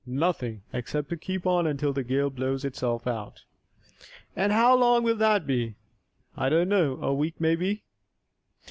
"Nothing, except to keep on until the gale blows itself out." "And how long will that be?" "I don't know a week, maybe."